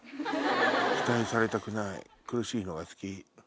「期待されたくない」「苦しいのが好き」。